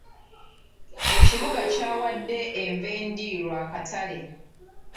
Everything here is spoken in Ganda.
Ekibuga kyawadde enva endiirwa akatale.